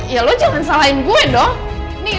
ya lo jangan salahin gue dong